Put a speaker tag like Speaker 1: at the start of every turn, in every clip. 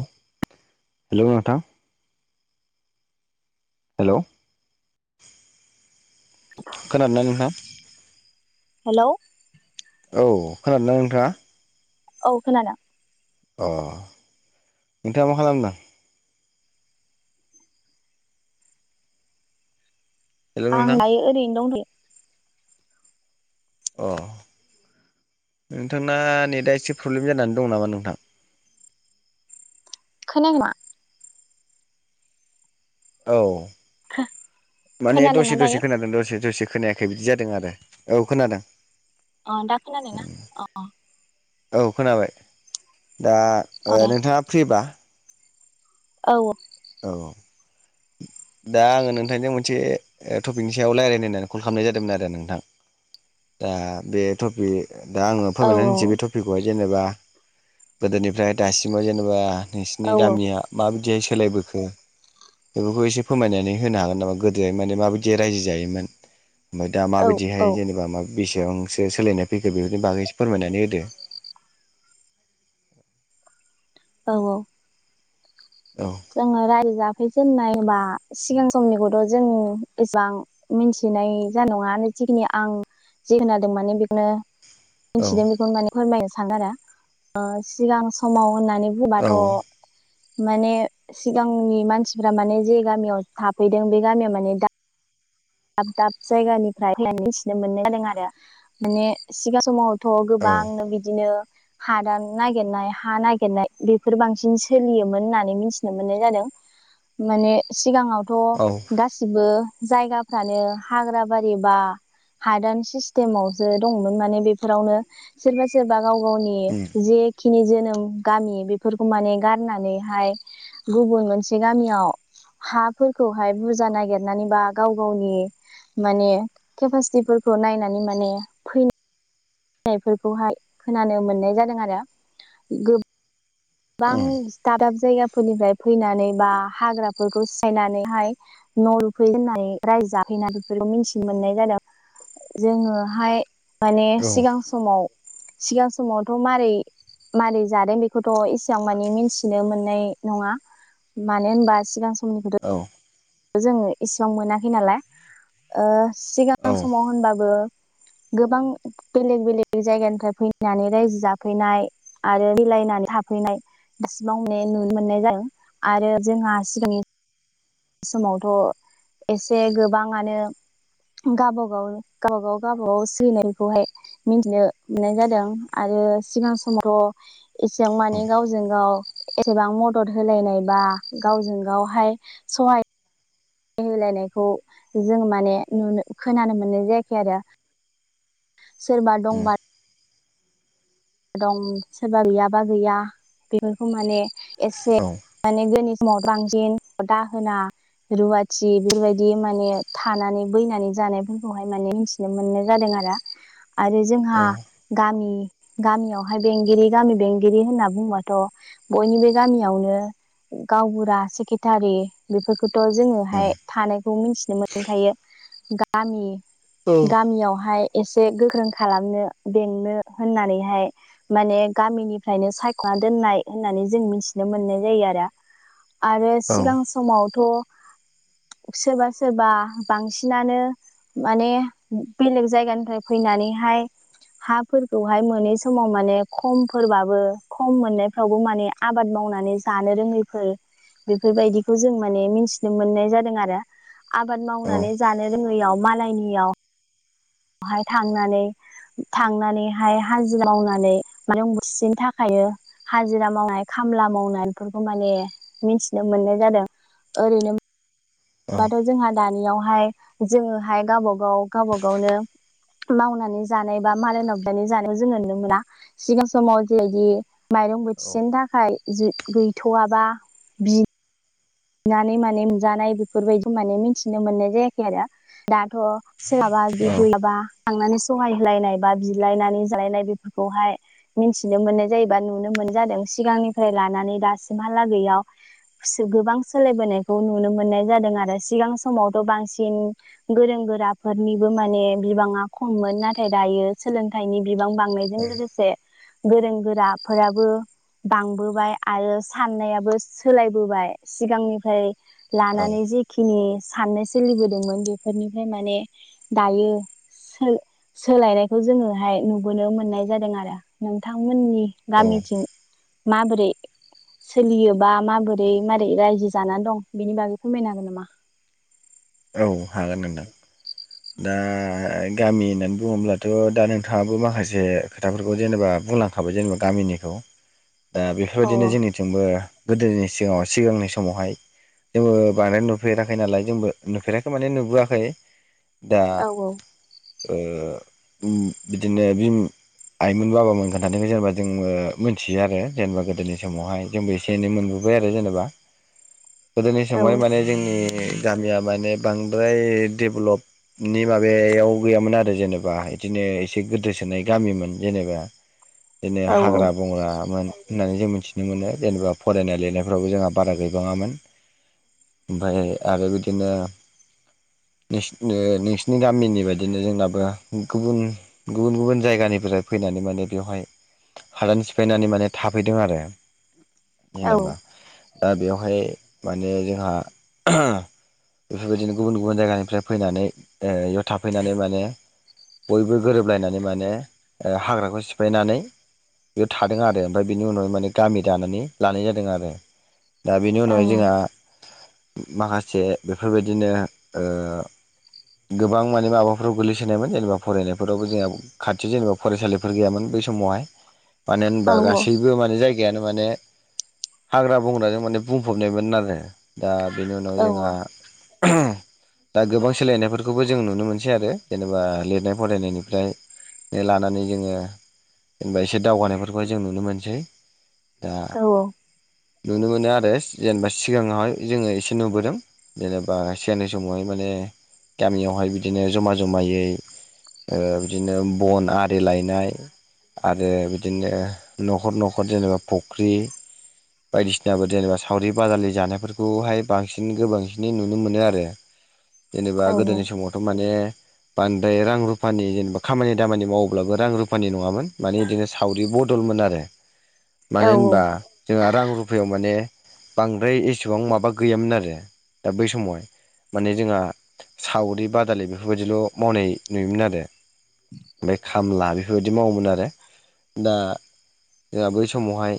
Speaker 1: हेल' नोंथां हेल' खोननानै नोंथां?
Speaker 2: हेल'
Speaker 1: औ खोनादोंना नोंथाङा?
Speaker 2: औ खोनादों।
Speaker 1: अ नोंथाङा मा खालामदों? हेलौ
Speaker 2: आं
Speaker 1: नोंथां
Speaker 2: दायो ओरैनो दंथ'यो
Speaker 1: अ। नोंथांना नेटआ एसे प्रब्लेम जानानै दं नामा नोंथां?
Speaker 2: खोनाया नामा?
Speaker 1: औ माने
Speaker 2: खोनादोंना
Speaker 1: दसे
Speaker 2: दायो
Speaker 1: दसे खोनादों दसे दसे खोनाया बिदि जादों आरो औ खोनादों।
Speaker 2: अ दा खोनादोंना?
Speaker 1: औ खोनाबाय दा
Speaker 2: अ दे
Speaker 1: नोंथाङा फ्रिबा।
Speaker 2: औ।
Speaker 1: औ दा आङो नोंथांजों मोनसे टपिकनि सायाव रायलायनो होननानै कल खालामनाय जादोंमोन आरो नोंथां। दा बे टपिक दा आङो
Speaker 2: औ
Speaker 1: फोरमायनानै होनसै बे टपिकखौहाय जेनेबा गोदोनिफ्राय दासिमाव जेनेबा नोंसिनि
Speaker 2: औ
Speaker 1: गामिया माबायदिहाय सोलायबोखो बेफोरखौ एसे फोरमायनानै होनो हागोन नामा गोदोहाय माने माबायदि रायजो जायोमोन? ओमफ्राय दा
Speaker 2: औ औ
Speaker 1: माबायदिहाय जेनेबा मा बेसेबांसो सोलायनाय फैखो बेफोरनि बागैसो फोरमायनानै होदो। [inaudible]
Speaker 2: औ -औ।
Speaker 1: औ
Speaker 2: जोङो रायजो जाफै जेननाय बा सिगां समनिखौथ' जों एसेबां मिथिनाय जानाय नङा जिखिनि आं जि खोनादों माने बेखौनो मिथिदों
Speaker 1: औ
Speaker 2: बेखौ फोरमायनो सानो आरो सिगां समाव होननानै -नानै बुंबाथ' माने सिगांनि मानसिफ्रा माने जे गामियाव थाफैदों बे गामियाव माने दा दाब- दाब जायगानिफ्राय फायथिनो मोननाय जादों आरो माने सिगां समाव थ'
Speaker 1: औ
Speaker 2: गोबांनो बिदिनो हादान नागिरनाय हा नागिरनाय बेफोर बांसिन सोलियोमोन होननानै मिथिनो मोननाय जादों। माने सिगाङावथ'
Speaker 1: औ
Speaker 2: गासिबो जायगा फ्रानो हाग्रा बारि बा हादान सिस्टेमावसो दंमोन माने बेफोरावनो सोरबा- सोरबा गाव -गावनि
Speaker 1: उम
Speaker 2: जे खिनि जोनोम गामि बेफोरखौ माने गारनानैहाय गुबुन मोनसे गामियाव हाफोरखौहाय बुरजा नागिरनानै बा गाव गाव- गावनि माने केपासिटिफोरखौ नायनानै माने फै नायफोरखौहाय खोनानो मोननाय जादों आरो गोब गोबां
Speaker 1: उम
Speaker 2: स्टाडप जायगा फोरनिफ्राय फैनानै बा हाग्राफोरखौ सिफायनानैहाय न' लुफै होननानै रायजो जादों बेफोरखौ मिथि मोननाय जादों जोङोहाय माने
Speaker 1: औ
Speaker 2: सिगां समाव- सिगां समावथ' मारै मारै जादों बेखौ थ' एसेबां मानि मिथिनो मोननाय नङा मानो होनबा सिगां सम
Speaker 1: औ।
Speaker 2: जोङो इसिबां मोनाखै नालाय
Speaker 1: औ
Speaker 2: सिगां समाव होनबाबो गोबां बेलेग -बेलेग जायगानिफ्राय फैनानै रायजो जाफैनाय आरो बिलाइ फैनानै थाफैनाय दासिमाव नुनो मोननाय जादों आरो जोंहा सिगांनि समावथ' एसे गोबाङानो गावबा गाव -गावबागाव गावगाव सोलिनायखौहाय मिथिनो मोननाय जादों आरो सिगां समफ्र' एसेबां माने
Speaker 1: उम
Speaker 2: गावजों गाव एसेबां मदद होलायनायबा गावजों गावहाय सहाय होलायनायखौ जों माने नुनो खोनानो मोननाय जायाखै आरो। सोरबा दंबा दं सोरबा गैयाबा गैया बेफोरखौ माने एसे
Speaker 1: औ उम
Speaker 2: माने समाव बांसिन दाहोना रुवाथि बेफोरबायदि माने थानानै बैनानै जानायफोरखौहाय माने मिथिनो मोननाय जादों आरो आरो
Speaker 1: औ
Speaker 2: जोंहा गामि गामियावहाय बेंगिरि गामि बेंगिरि होनना बुंबाथ' बयनिबो गामियावनो गावबुरा सेक्रेटारि बेफोर खौथ'
Speaker 1: औ
Speaker 2: जोङोहाय थानायखौ मिथिनो मोनखायो गामि गामियावहाय एसे गोख्रों खालामनो बेंनो होननानै हाय माने गामिनिफ्रायनो सायख'ना दोननाय होननानै जों मिथिनो मोननाय जायो आरो
Speaker 1: [inaudible]
Speaker 2: आरो सिगां समावथ'
Speaker 1: [inaudible]
Speaker 2: सोरबा सोरबा बांसिनानो माने बेलेग जायगानिफाय फैनानैहाय हाफोरखौहाय मोनै समाव माने खमफोरबाबो खम मोननायफ्रावबो माने आबाद मावनानै जानो रोङैफोर बेफोरबायदिखौ जों माने मिथिनो मोननाय जादों आरो आबाद मावनानै जानो रोङैयाव मालायनियाव हाय थांनानै थांनानैहाय हाजिरा मावनानै माने उसिनि थाखायनो हाजिरा मावनाय खा खामला मावनानैफोरखौ माने मिथिनो मोननाय जादों ओरैनो बाथ' जोंहा दानियावहाय जोङोहाय गावबा गाव गावबा गावनो मावनानै जानाय बा मालायनाव बिनानै जानायाव जों नुनो मोना सिगां समाव जिबायदि माइरं बोथिसेनि थाखाय जि गैथ'वाबा बि बिनानै माने मोनजानाय बेफोरबायदि माने मिथिनो मोननाय जायाखै आरो दा थ' सोरहाबा बिदि गैयाबा थांनानै सहाय होलायनाय बा बिलायनानै जालायनाय बेफोरखौहाय मिन्थिनो मोननाय जायोबा नुनो मोनजादों सिगांनिफ्राय लानानै दासिमहालागैयाव सो गोबां सोलायबोनायखौ नुनो मोननाय जादों आरो सिगां समावथ' बांसिन गोरों गोराफोरनिबो माने बिबाङा खममोन नाथाय दायो सोलोंथाइनि बिबां बांनायजों लोगोसे गोरों गोराफोराबो बांबोबाय आरो साननायाबो सोलायबोबाय सिगांनिफ्राय लानानै जेखिनि साननो सोलिबोदोंमोन बेफोरनिफ्राय माने दायो सो सोलायनायखौ जोङोहाय नुबोनो मोननाय जादों आरो नोंथांमोननि गामिथिं माबोरै सोलियोबा माबोरै मा रै रायजो जाना दं बेनि बागै फोरमायनो हागोन नामा?
Speaker 1: औ हागोन नोंदां दा गामि होननानै बुङोब्लाथ' दा नोंथाङाबो माखासे खोथाफोरखौ जेनेबा बुंलांखाबाय जेनेबा गामिनिखौ दा
Speaker 2: औ
Speaker 1: बेफोरबायदिनो जोंनिथिंबो गोदोनि सिगाङाव सिगांनि समावहाय जोंबो बानाय नुफेराखै नालाय जोंबो नुफेराखै माने नुबोआखै दा ओ ओम बिदिनो बि आइमोन बाबामोन खोन्थानायखौ जेनेबा जोंबो मिथियो आरो जेनेबा गोदोनि समावहाय जोंबो एसे एनै मोनबो बाय आरो जेनेबा गोदोनि समावहाय माने जोंनि गामिया माने बांद्राय डेभलप नि माबायाव गैयामोन आरो जेनेबा इदिनो एसे गोदोसोनाय गामिमोन जेनेबा बिदिनो हाग्रा बंग्रामोन होननानै जों मिथिनो मोनो जेनेबा फरायनाय लिरनायफ्रावबो जोंहा बारा गैबांङामोन ओमफाय आरो बिदिनो [unintelligible] नोंसिनि गामिनि बायदिनो जोंनाबो गुबुन गुबुन गुबुन जायगानिफ्राय फैनानै माने बेवहाय हादान सिफायनानै माने थाफैदों आरो जेनेबा दा बेवहाय माने जोंहा [unintelligible] बेफोरबायदिनो गुबुन गुबुन जायगानिफ्राय फैनानै ओ याव थाफैनानै माने बयबो गोरोबलायनानै माने हाग्राखौ सिफायनानै बेयाव थादों आरो ओमफाय बिनि उनावाव माने गामि दानानै लानाय जादों आरो दा बिनि उनाव जोंआ माखासे बेफोरबायदिनो ओ गोबां माने माबाफोराव गोलैसोनायमोन जेनेबा फरायनायफोरावबो जोंहा खाथि जेनेबा फरायसालिफोर गैयामोन बै सम मावहाय मानो होनबा गासैबो माने जाय गायानो माने हाग्रा बंग्राजों माने बुंफबनायमोन आरो दा बिनि उनाव जोंहा [unintelligible] दा गोबां सोलायनायफोर जेनेबा लिरनाय फरायनायनिफ्रायनो लानानै जोङो जेनबा एसे दावगानायफोरखौहाय जों नुनो मोनसै। दा
Speaker 2: औ औ
Speaker 1: नुनो मोनो आरो जेनेबा सिगाङावहाय जोङो एसे नुबोदों जेनेबा सिगांनि समावहाय माने गामियावहाय बिदिनो जमा जमायै ओ बिदिनो बन आरि लायनाय आरो बिदिनो न'खर न'खर जेनेबा फुख्रि बायदिसिनाबो जेनेबा सावरि बाजालि जानायफोरखौहाय बांसिन गोबांसिनै नुनो मोनो आरो जेनेबा गोदोनि समावथ' माने बांद्राय रां रुफानि जेनेबा खामानि दामानि मावोब्लाबो रां रुफानि नङामोन माने बिदिनो सावरि बदलमोन आरो मानो होनबा जोंहा रां रुफायाव माने बांद्राय एसेबां माबा गैयामोन आरो दा बै समाव माने जोंहा सावरि बादालि बेफोरबायदिल' मावनाय नुयोमोन आरो ओमफ्राय खामला बेफोरबायदि मावोमोन आरो दा जोंहा बै समावहाय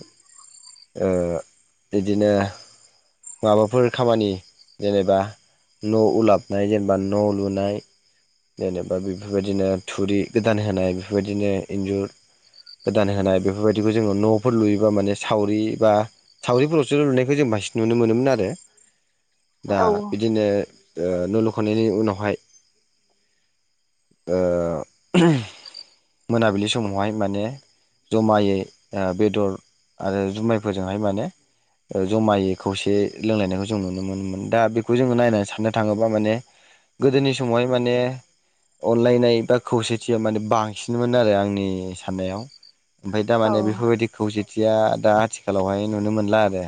Speaker 1: ओ बिदिनो। माबाफोर खामानि जेनेबा न' उलाब नाय जेनेबा न' लुनाय। जेनेबा बेफोरबायदिनो थुरि गोदान होनाय बेफोरबायदिनो इन्जुर गोदान होनाय बेफोरबायदिखौ जोङो न'फोर लुयोबा माने सावरि बा सावरिफोरावसो लुनायखौ जों बांसिन नुनो मोनोमोन आरो दा बिदिनो ओ न' लुखांनायनि उनावहाय ओ मोनाबिलि समावहाय माने जमायै ओ बेदर आरो जुमायफोरजोंहाय माने ओ जमायै खौसे लोंलायनायखौ जों नुनो मोनोमोन दा बेखौ जोङो नायनानै साननो थाङोबा माने गोदोनि समावहाय माने अनलायनाय बा खौसेथिया माने बांसिनमोन आरो आंनि साननायाव ओमफ्राय दामाने बेफोरबायदि खौसेथिया दा आथिखालावहाय नुनो मोनला आरो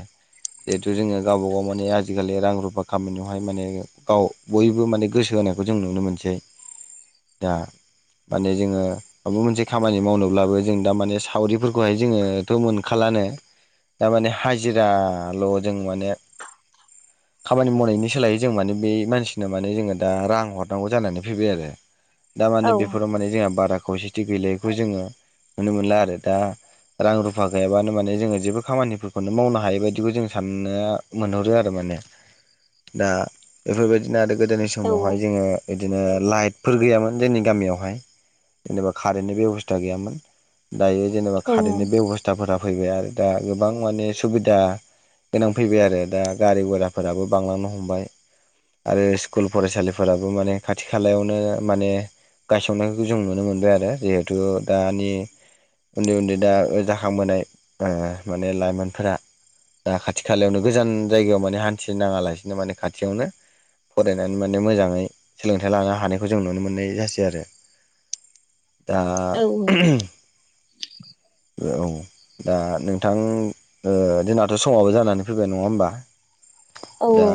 Speaker 1: जिहेथु जोङो गावबा गाव माने आजिखालि रां रुफा खामानियावहाय माने गाव बयबो माने गोसो होनाय खौ जों नुनो मोनसै दा माने जोङो माबा मोनसे खामानि मावनोब्लाबो जों दा माने सावरिफोरखौहाय जोङोथ' मोनखाला। मानो तामाने हायजिराल' जों माने खामानि मावनायनि सोलायै जों माने बे मानसिना माने जोङो दा रां हरनांगौ जानानै फैबाय आरो दा माने बेफोराव माने जोंहा बाराख खौसेथि गैलायखौ जोङो नुनो मोनला आरो दा। रां रुफा गैयाबानो माने जोङो जेबो खामानिफोरखौनो मावनो हायै बायदिबो जों साननो मोनहरो आरो मान ने दा बेफोरबायदिनो आरो गोदोनि समावहाय जोङो इदिनो लाइटफोर गैयामोन जोंनि गामियावहाय जेनेबा कारेन्टनि बेब'स्था गैयामोन दायो जेनेबा कारेन्टनि बेब'स्थाफोरा फैबाय आरो दा गोबां माने सुबिदा गोनां फैबाय आरो दा गारि गुराफोराबो बांलांनो हमबाय आरो स्कुल फरायसालिफोर फोराबो माने खाथि खालायावनो माने गायसननायखौ जों नुनो मोनबाय आरो जिहेथु दानि उन्दै उन्दै दा जाखांबोनाय ओ माने लाइमोनफोरा दा खाथि खालायावनो गोजान जायगायाव माने हान्थि नांङा लासिनो माने खाथियावनो फरायनानै माने मोजाङै सोलोंथाइ लानो हानायखौ जों नुनो मोननाय जासै आरो। दा औ दा नोंथां ओ जोंनाथ' समावबो जानानै फैबाय नङा होमबा दा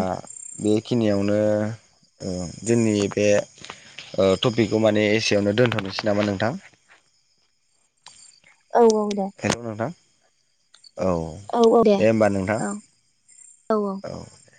Speaker 1: बेखिनियावनो ओ जोंनि बे ओ टपिकखौ माने एसेयावनो दोनथ'नोसै नामा नोंथां?
Speaker 2: औ औ दे
Speaker 1: हेल' नोंथां औ दे होमबा नोंथां औ दे